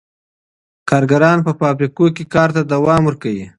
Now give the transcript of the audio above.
کارګران په فابریکو کي کار ته دوام ورکوي.